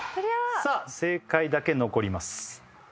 さあ正解だけ残ります